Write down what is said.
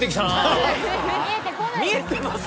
見えてます？